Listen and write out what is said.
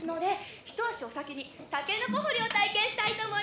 「一足お先にタケノコ堀りを体験したいと思います！」